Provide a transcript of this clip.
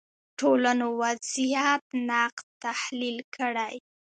ټولنو وضعیت نقد تحلیل کړي